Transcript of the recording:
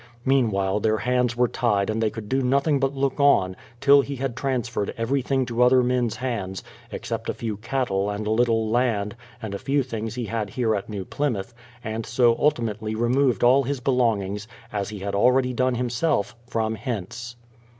Meanwhile their hands were tied and they could^ do nothing but look on, till he had transferred everything to other men's hands, except a few cattle and a little land and a few things he had here at New Plymouth, and so ultimately removed all his belongings, as he had already done himself, from hence.